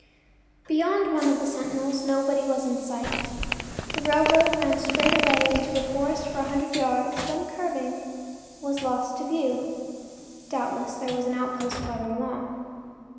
Beyond one of the sentinels nobody was in sight; the railroad ran straight away into a forest for a hundred yards, then, curving, was lost to view. Doubtless there was an outpost farther along.